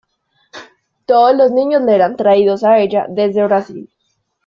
Todos los niños le eran traídos a ella desde Brasil.